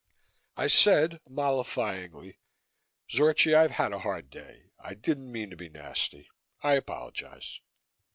I said mollifyingly, "Zorchi, I've had a hard day. I didn't mean to be nasty. I apologize."